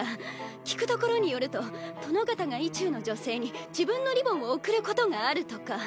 聞くところによると殿方が意中の女性に自分のリボンを贈ることがあるとか。